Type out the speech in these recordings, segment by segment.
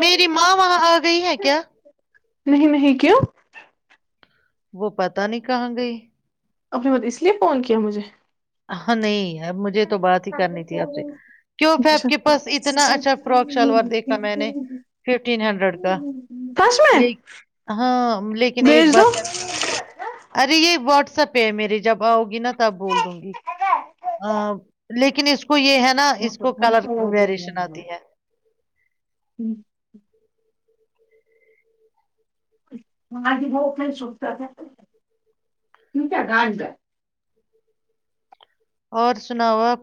میری ماں وہاں آ گئی ہے کیا نہیں نہیں کیوں وہ پتا نہیں کہاں گئی اپنے بت اس لیے فون کیا مجھے ہ نہیں مجھے تو بات ہی کرنی تھی آپ سے آپ اچھا کے پاس اتنا اچھا فرک شلوار دیکھا میں نے ففٹین ہنڈریڈ کا سچ میں ہاں لیکن ایک بھیج دو بات ارے یہ واٹسپ پے میری جب آؤ گی نہا تب بول دوں گی ا لیکن ک اس کو یہ ہے نا اس کو کلر ویریشن آتی ہے وہج ب سنتا تھا کیوں کیا گاٹ گ اور سناؤ آپ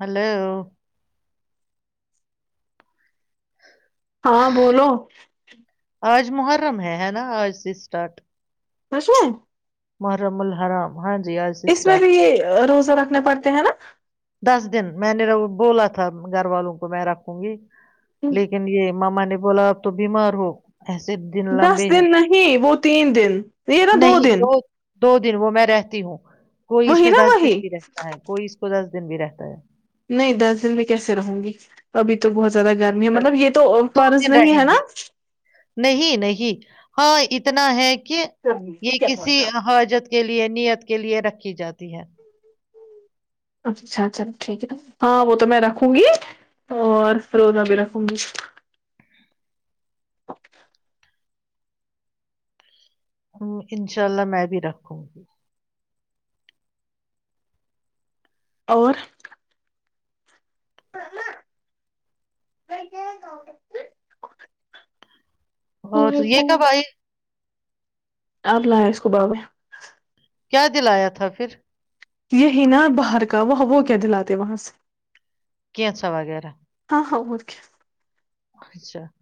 ہلو ہاں بولو آج محرم ہے ہے نا آج سے اسٹارٹ [unintelligible] کش میں [inaudible] محرم الحرام [unintelligible] آج سے اس میں اسٹارٹ بھی یہ روز [unintelligible] رکھنے پڑتے ہیں نا [inaudible] دس دن میں نے بولا تھا گھر والوں کو میں رکھوں گی [unintelligible] لیکن یہ [unintelligible] ماما نے بولا اب تو بیمار ہو [inaudible] دن دس لمبے ہیں دن نہیں وہ تین دن یہ نا دو دن [unintelligible] دو دن وہ میں رہتی ہوں [inaudible] کوئی اس وہی میں نا دس دن وہی بھی رہتا ہے کوئی اس کو دس [unintelligible] دن بھی رہتا ہے [inaudible] نہیں دس دن میں کیسے رہوں گی ابھی تو بہت زیادہ گرمی ہے مطلب یہ [unintelligible] دو فرض دن نہیں رہیں ہے نا گے نہیں نہیں ہاں [unintelligible] ہے کہ یہ کسی حاجت کے لیے نیت کے لیے رکھ [inaudible] کی جاتی ہے [inaudible] اچھا اچھا ٹھیک ہے ہاں وہ تو میں رکھوں گی اور فروزہ بھی رکھوں گی [unintelligible] انشاء اللہ میں بھی رکھوں گی [unintelligible] اور [inaudible] [inaudible] اور وہ ہے تو یہ وہ کب آائی [unintelligible] آپ لا ہے اس کو باب میں [unintelligible] کیا دل آیا تھا پھر [unintelligible] یہی نا باہر کا وہ وہ کیا دلاتے وہاں سے [unintelligible] کیچا وغیرہ [unintelligible] آ اک [inaudible] اچھا [inaudible]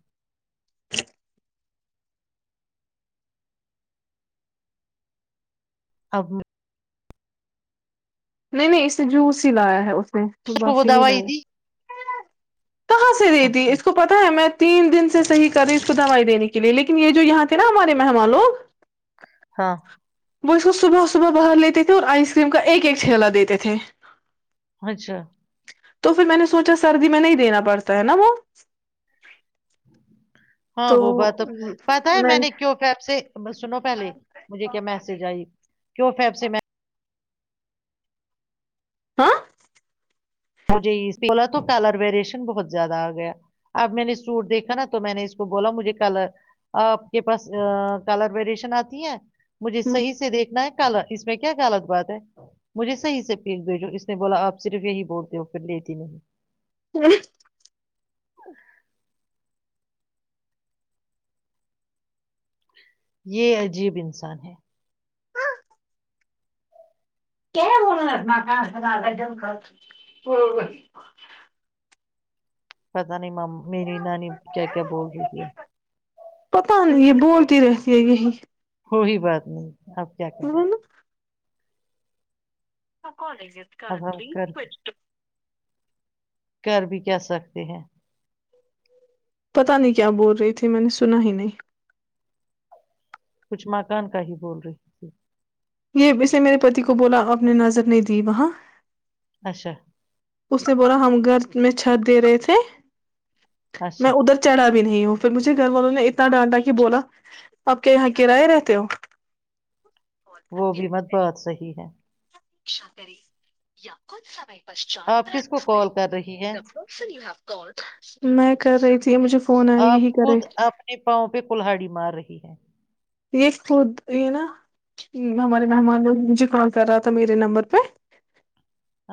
اب [inaudible] نہیں نہیں اس نے جوس ہی لایا ہے اس [unintelligible] ڈاکٹر کو وہ بس ہی نہیں ل دوائی ہے [inaudible] ہ دی [inaudible] کہاں سے دی تھی اچھا اس کو پتا ہے میں [unintelligible] تین دن سے صح کر رہے اس کو دوائی دینے کے لیے لیکن یہ جو یہاں تھے نا ہمارے مہمان لوگ [inaudible] ہاں [inaudible] وہ اس کو صبح صبح باہر لیتے تھے اور آئس کریم کا ایک ایک چھیلا دیتے تھے [unintelligible] اچھا [unintelligible] تو پھر میں نے سوچا سردی میں نہیں دینا پڑتا ہے نا وہ [unintelligible] ہ [inaudible] ہاں تو وہ بات پتا ہے میں نے کیو فپ سے سنو پہلے مجھے کیا میسج آئی کیو فپ سے میں [unintelligible] ہ مجھے اس بولا تو کلر ویریشن بہت زیادہ آ گیا اب میں نے سوٹ دیکھا نا تو میں نے اس کو بولا مجھے کلر آپ کے پاس کلر ویریشن آتی ہے مجھے صحیح سے دیکھنا ہے اس میں کیا غلط بات ہے مجھے صح سے پیک دےجو اس نے بولا آپ صرف یہی بول وہ پھر لیتی نہیں ہاں ا یہ عجیب انسان ہے کیا بولنااتنا کہ اس گ ڈم کر پتہ نہیں میری نانی کیا کیا بول رہی ہے پتا نہیں یہ بولتی رہتی ہے یہی کوئی بات نہیں اپ کیا کر رہے الج اب کرارنٹ ہم لی کر بسٹ کر بھی کہ سکتے ہیں پتا نہیں کیا بول رہی تھی میں نے سنا ہی نہیں کچھ مکان کا ہی بول رہی تھی یہ اسے میرے پتی کو بولا آپ نے نظر نہیں دی وہاں اچھا اس نے بولا ہم گھر میں چھت دے رہے تھے میں اچھا ادھر چڑھا گیا نہیں ہ پھر مجھے گھر والوں نے اتنا ڈانٹا کہ بولا آپ کے یہاں کرائے رہتے ہو وہ بھی مت بہت صحیح ہے شاتری یا کون سمئے آپ کس کو پشاربس کال کر رہی ہے نہیںوپ میں کر رہی تھی مجھے فون آیا آپ یہی کرے خود اپنے پاؤں پہ کلہڑی مار رہے [unintelligible] ی ہے [unintelligible] یہ خود یہ نا ہمارے مہمان مجھے کال کر رہا تھا میرے نمبر پہ [unintelligible]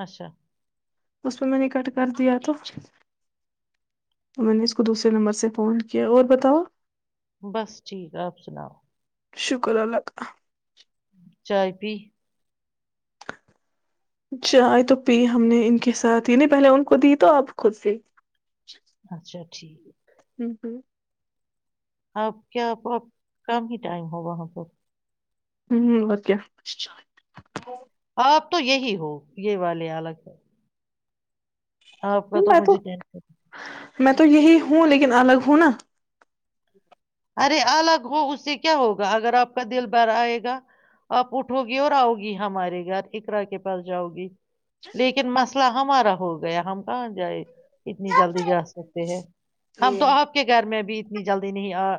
اچھا [unintelligible] اس پہ میں نے کٹ کر دیا تھا تو میں نے اس کو دوسرے نمبر سے فون کیا اور بتاؤ آ [unintelligible] بس ٹھیک ہے آپ سناؤ [unintelligible] شکر اللہ کا [unintelligible] چائے پی [unintelligible] چائے تو پی ہم نے ان کے ساتھ ہی نہیں پہلے ان کو دی تو آپ خود سے [unintelligible] اچھا ٹھیک اک [unintelligible] آپ کیا آپ کام ہی ٹائم ہو وہاں پر [unintelligible] ہوں او کیا [unintelligible] آپ تو یہی ہو یہ والے ال الگ ہے [unintelligible] آپ کا تو مجھے ٹینشن [unintelligible] میں تو یہی ہوں لیکن الگ ہوں نا [unintelligible] ارے الگ ہو اس سے کیا ہوگا اگر آپ کا دل بھر آئے گا آپ اٹھو گی اور آؤ گی ہمارے گھر اقرا کے پاس جاؤ گی [unintelligible] لیکن مسئلہ [unintelligible] ہمارا ہو گیا ہم کہاں جائے [unintelligible] اتنی جلدی جا سکتے ہیں ہم تو آپ کے گھر میں بھی [unintelligible] اتنی جلدی نہیں آ [unintelligible] [unintelligible]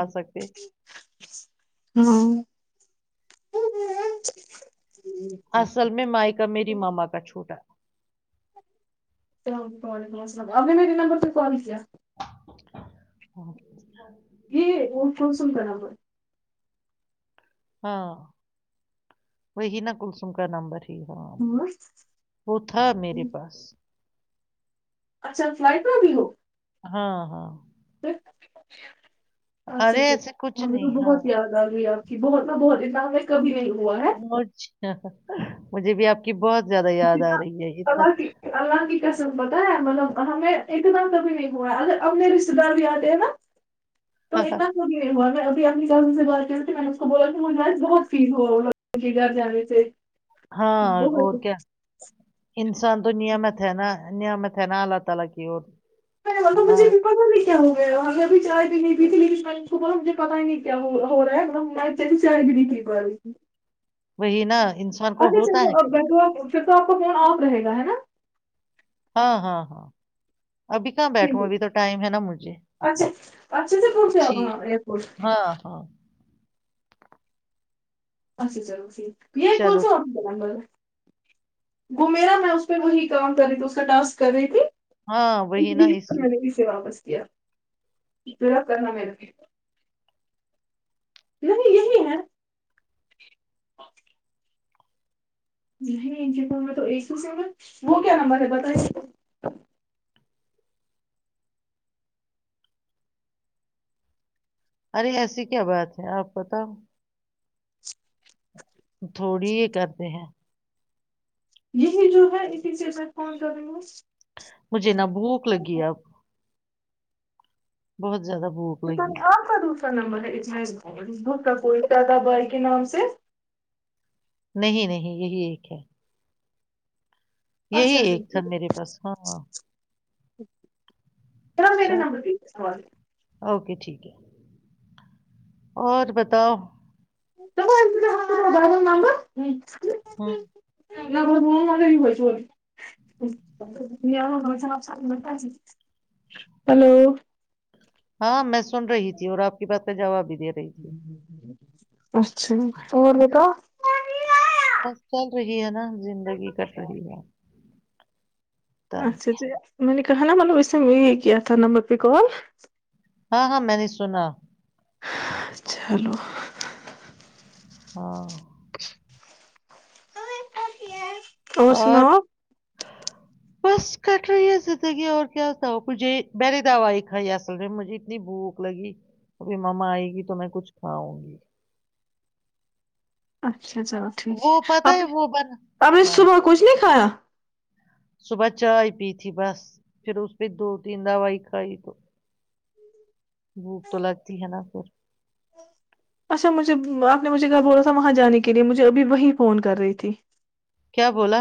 آ سکتے [unintelligible] [unintelligible] ہ ہ ہ [unintelligible] [unintelligible] اصل میں مائیکا میری ماما کا چھوٹا [unintelligible] اللام وعلیکم السلام ابھی میرے نمبر پہ کال کیا [unintelligible] [unintelligible] ہاں [unintelligible] [unintelligible] یہ وہ کونسم برابر [unintelligible] [unintelligible] ہاں وہی نا کلسوم کا نمبر ہے [unintelligible] [unintelligible] ہاں وہ تھا میرے پاس [unintelligible] [unintelligible] اچھا فلائٹ میں بھی ہو [unintelligible] [unintelligible] ہاں ہاں [unintelligible] [unintelligible] ہ [unintelligible] [unintelligible] اچھا ارے ایسے کچھ اچھا مے تو نہیں ہاں بہت یاد آ رہی ہے [unintelligible] [unintelligible] بہت بہت ا ہ میں کبھی نہیں [unintelligible] [unintelligible] اورھا [unintelligible] [unintelligible] مجھے بھی آپ کی بہت [unintelligible] [unintelligible] آ جتنا رہی ہے اتنا اللہ کی اللہ کی قسم پت ہے مطب [unintelligible] [unintelligible] ہمیں ایک دم کبھی نہیں ہوا ہے ا اپنے رشتے دار بھی آتے ہیں نا [unintelligible] [unintelligible] تو اتنا [unintelligible] [unintelligible] اپنی کزن سے بات کرتےے میں نے اس کو بولا [unintelligible] جس بہت فیز ہوگا [unintelligible] ان کے گھر جانے سے [unintelligible] ہاں اور بہت کیا [unintelligible] سان دنیا میںتے ہے نا [unintelligible] میں نے بولا [unintelligible] تو ہاں مجھے [unintelligible] بھی پتا نہیں کیا ہوا ہے ہمیں بھی چائے بھی نہیں پیتی لیکن کو مجھے پتا ہی نہیں کیا ہو رہا ہے بھی چائے بھی نہیں پی پا رہی تھی [unintelligible] وہی نا انسان کو ہوتا ہے کبھی کبھی مون آف رہے گا ہے نا [unintelligible] ہاں ہاں ہاں [unintelligible] کہاں ج بیٹھوں ابھی تو ٹائم ہے نا مجھے اچھا اچھا جی پہنچ جپ ہ ٹھیک ایرپورٹ ہاں [unintelligible] ہاں اچھا چلو جھیک [unintelligible] یہ یہ چلو کوسو آپ ب گل [unintelligible] وہ میرا میں اس پہ وہی کام کر رہی تھی اس کا ٹاسک کر رہی تھی ہاں [unintelligible] وہ اس یہ نا لیے ہسری میں [unintelligible] نے اسے واپس کیا پورا کرنا میرے [unintelligible] نہیں یہی ہے [unintelligible] نہیں ان میں تو ایک ہی س وہ کیا نمبر ہے بت [unintelligible] ارے ایسی کیا بات ہے آپ بتاؤ تھوڑی ہی کرتے ہیں [unintelligible] یہی جو ہے اسی سے میں فون کروں گا [unintelligible] مج [unintelligible] بہت [unintelligible] زیادہ بھوک لگی آپ دوسرا کا نمبر ہے اتنا کا کوئی دادا بھائی کے نام سے نہیں نہیں یہی ایک ہے [unintelligible] یہی اچھا ایک تھا میرے پاس ہاں ا [unintelligible] چ میر چلو نم [inaudible] اوکے ٹھیک ہے اور بتاؤ ہوں نمبر لگ ہلو ہاں میں سن رہی تھی اور آپ کی بات جا بھی [unintelligible] ہ [unintelligible] اچھا اور دیتا بس چل رہی ہے نا زندگی کٹ رہی ہے پتہ نہیں اچھا ج م [unintelligible] کہ ن مطلب اسسے نے میں ایک کےیات نمبر پہ کال ہاں ہاں میں نہیں سنا [unintelligible] چلو [unintelligible] ہاں [unintelligible] اور سناؤ [unintelligible] بس کٹ رہی ہے زندگی اور کیا ہوتا ہو کجھے بری دوائی کھائی اصل مجھے اتنی بھوک لگی ابھی ماما آئے گی تو میں کچھ کھاؤں گی اچھا [unintelligible] اچھا چلو ٹھیک ہے وہ پتہ آپ نے وہ بن آپ نے ہاں صبح کچھ نہیں کھایا [unintelligible] صبح چائے پی تھی بس پھر اس پہ دو تین دوائی کھائی تو بھوک تو لگتی ہے نا پھر اچھا مجھے آپ نے مجھے گھر بولا تھا وہاں جانے کے لیے مجھے ابھی وہیں فون کر رہی تھی کیا بولا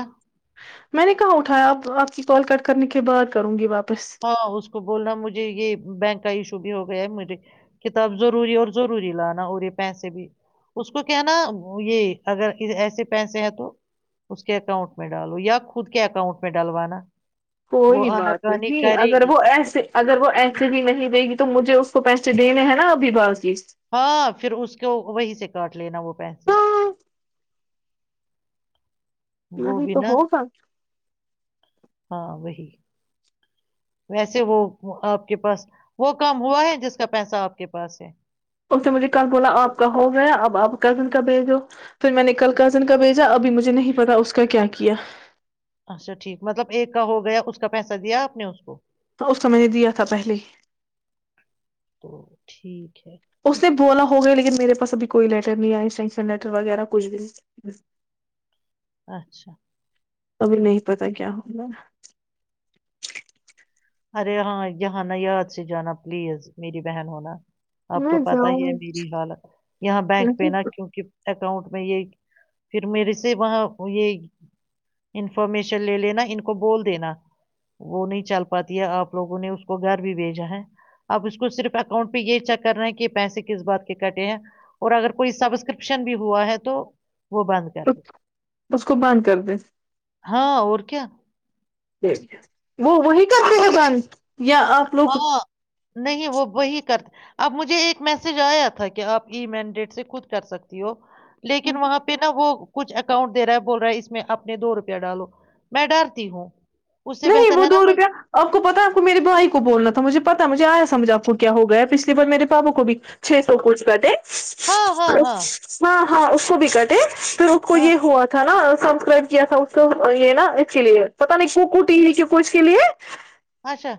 میں نے کہاں اٹھایا اب آپ کی کال کٹ کرنے کے بعد کروں گی واپ ہاں اس کو بولنا مجھے یہ بینک کا ایشو بھی ہو گیا ہے مجھے کتاب ضروری اور ضروری لانا اور یہ پیسے بھی اس کو کیا ہے نا یہ اگر ایسے پیسے ہیں تو اس کے اکاؤنٹ میں ڈالو یا خود کے اکاؤنٹ میں ڈالوانا کوئی بات نہیں اگر وہ ایسے اگر وہ ایسے بھی نہیں دے گی تو مجھے اس کو پیسے دینے ہیں نا ابھی بس ہاں پھر اس کو وہی سے کاٹ لینا وہ پیسے ہاں وہ نہیں بھی تو نا ہو سک ہاں وہی ویسے وہ آپ کے پاس وہ کام ہوا ہے جس کا پیسہ آپ کے پاس ہے اس نے مجھے کل بولا آپ کا ہو گیا اب آپ کزن کا بھیجو پھر میں نے کل کزن کا بھیجا ابھی مجھے نہیں پتا اس کا کیا کیا اچھا ٹھیک مطلب ایک کا ہو گیا اس کا پیسہ دیا آپ نے اس کو ہ اس تو میں نے دیا تھا پہلے ہی تو ٹھیک ہے دو والا ہو گیا لیکن میرے پاس ابھی کوئی لیٹر نہیں یا انسٹرنکشن لیٹر وغیرہ کچھ بھی نہیں اچھا ابھی نہیں پتا کیا ہوگا ارے ہاں یہاںانا یاد سے جانا پلیز میری بہن ہوناا آپ تو میں پتا ہی ہے جاؤں میری حالت یہاں بینک پہ نا کیونکہ اکاؤنٹ میں یہ پھر میرے سے وہاں یہ انفارمیشن لے لینا ان کو بول دینا وہ نہیں چل پ پ ہے آپ لووں نے اس کو گھر بھی بھیجا ہے آپ اس کو صرف اکاؤنٹ پہ یہ چیک کر رہے ہیں کہ پیسے کس بات کے کٹے ہیں اور اگر کوئی سبسکرپشن بھی ہوا ہے تو وہ بند کر د اس کو بند کر دیں ہاں اور کیا وہ وہی کرتے ہیں بند یا آپ لوگ ہاں نہیں وہ وہی کر اب مجھے ایک میسج آیا تھا کہ آپ ای مینڈیٹ سے خود کر سکتی ہو لیکن وہاں پہ نہا وہ کچھ اکاؤنٹ دے رہا ہے بول رہا ہے اس میں اپنے دو روپیہ ڈالو میں ڈالتی ہوں اس سے نہیں بہتر وہ ہے نا دو وہی روپیہ آپ کو پتا آپ کو میرے بھائی کو بولنا تھا مجھے پتا مجھے آیا سمجھاپور کیا ہو گیا پچھلی بار میرے پاپا کو بھی چھ سو کچ کاٹے ہاں ہاں اور ہاں ہاں ہاں اس کو بھیک د ہے پھر اس کو ہاں یہ ہوا تھا نا سبسکرائب کیا تھا اس کو یہ نا ایکچولی پتا نہیں کہ وہ کچھ ت ہے کیو پوچ کے لیے اچھا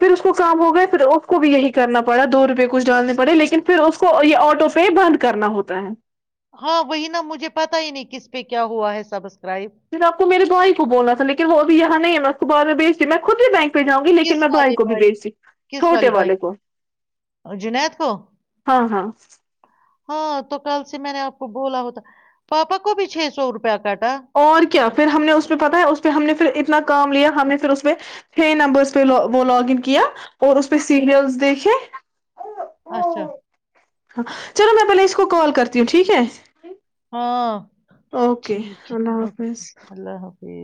پھر اس کو کام ہو گیا پھر اس کو بھی یہی کرنا پڑا دو روپئے کچھ ڈالنے پڑے لیکن پھر اس کو یہ آٹو پے بند کرنا ہوتا ہے ہاں وہی نا مجھے پتا ہی نہیں کس پہ کیا ہوا ہے سبس پھر آپ کو میرے بھائی کو بولنا تھا لیکن وہ ا بھی یہاں نہیں بیچ میں خودتی بھی بینک جاؤں گی لیکن کس میں بھائی والے کو بھی بھی س کس چھوٹے بھائی والے کو جنید کو ہاں ہاں ہاں تو کل سے میں نے آپ کو بولا ہوتا پاپا کو بھی چھ سو روپیہ کاٹا اور کیا پھر ہم نے اس پہ پتاہ ہے اس پہ ہم نے پھر اتنا کام لیا ہمیں پھر اس پ نمبر پہ وہ لاگ کیا اور اس پہ سیریلس دیکھے اچھا ہاں چلو میں پہلے اس کو کال کرتی ہوں ٹھیک ہے ہاں اوکے اللہ حافظ ہی